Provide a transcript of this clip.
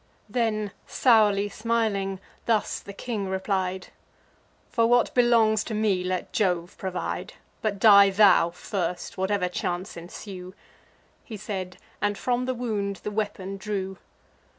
Then, sourly smiling, thus the king replied: "For what belongs to me, let Jove provide; But die thou first, whatever chance ensue." He said, and from the wound the weapon drew.